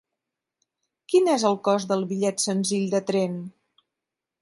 Quin és el cost del bitllet senzill de tren?